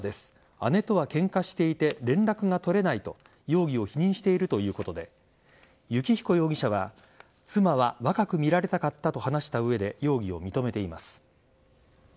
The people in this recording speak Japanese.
姉とはケンカしていて連絡が取れないと容疑を否認しているということで幸彦容疑者は妻は若く見られたかったと話した上で容疑を認めています。